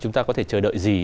chúng ta có thể chờ đợi gì